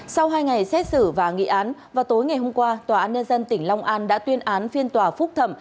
sau hai ngày xét xử và nghị án vào tối ngày hôm qua tòa án nhân dân tỉnh long an đã tuyên án phiên tòa phúc thẩm